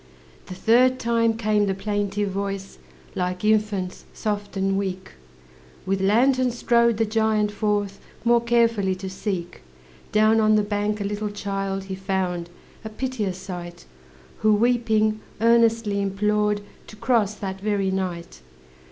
The third time came the plaintive voice, Like infant's, soft and weak; With lantern strode the giant forth, More carefully to seek. Down on the bank a little child He found, a piteous sight, Who weeping, earnestly implored To cross that very night.